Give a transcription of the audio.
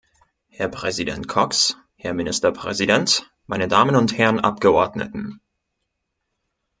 Herr Präsident Cox, Herr Ministerpräsident, meine Damen und Herren Abgeordneten!